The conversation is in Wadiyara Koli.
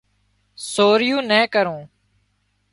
سوريون نين ڪرُون